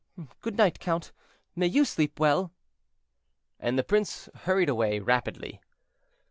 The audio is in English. Good night, count; may you sleep well!" And the prince hurried away rapidly.